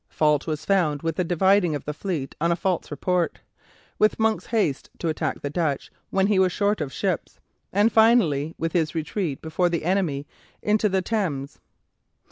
Fault was found with the dividing of the fleet on a false report; with Monk's haste to attack the Dutch when he was short of ships; and, finally, with his retreat before the enemy into the Thames.